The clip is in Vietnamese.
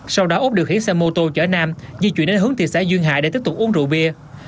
sau đó úc điều khiển xe mô tô chở nam di chuyển đến hướng thị xã duyên hải để tiếp tục uống rượu bia